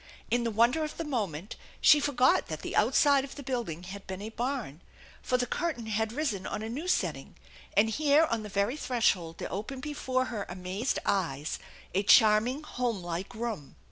In the wonder of the moment she forgot that the outside of the building had been a barn, for the curtain had risen on a new setting, and here on the very threshold there opened before her amazed eyes a charming, homelike room.